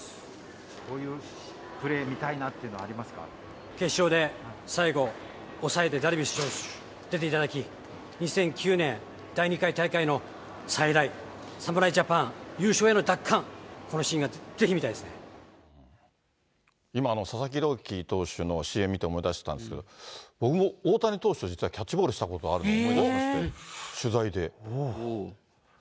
どういうプレー、決勝で最後、抑えでダルビッシュ投手出ていただき、２００９年第２回大会の再来、侍ジャパン優勝への奪還、今、佐々木朗希投手のＣＭ見て思い出したんですけど、僕、大谷選手とキャッチボールしたことあるの思い出しまして、取材で。